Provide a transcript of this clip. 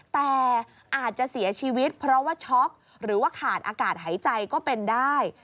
แต่อาจจะเสียชีวิตเพราะว่าช็อกหรือว่าขาดอากาศหายใจก็เป็นได้